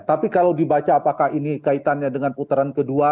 tapi kalau dibaca apakah ini kaitannya dengan putaran kedua